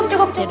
oh cukup cukup